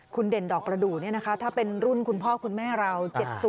คุณเด่นดอกประดูกถ้าเป็นรุ่นคุณพ่อคุณแม่เรา๗๐